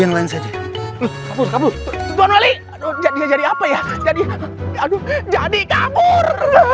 aduh jadi kangur